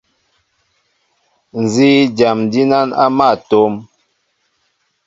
Nzí dyam dínán á mál a tóm,